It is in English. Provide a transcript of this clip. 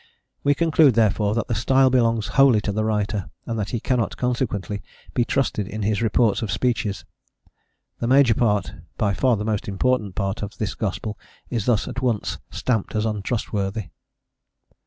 We conclude, therefore, that the style belongs wholly to the writer, and that he cannot, consequently, be trusted in his reports of speeches. The major part, by far the most important part, of this gospel is thus at once stamped as untrustworthy.